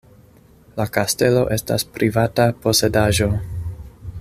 La kastelo estas privata posedaĵo.